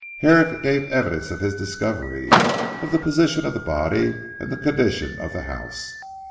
Herrick gave evidence of his discovery, of the position of the body, and of the condition of the house.